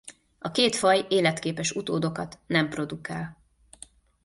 A két faj életképes utódokat nem produkál.